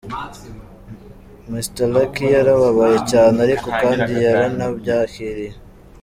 Mr Lucky yarababaye cyane ariko kandi yaranabyakiriye.